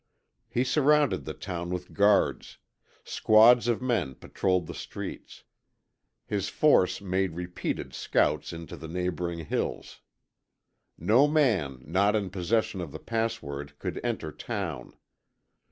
He surrounded the town with guards; squads of men patrolled the streets; his force made repeated scouts into the neighboring hills. No man not in possession of the password could enter town.